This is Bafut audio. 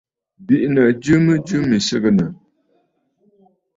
Bì’inǝ̀ jɨ mɨjɨ mì sɨgɨnǝ̀.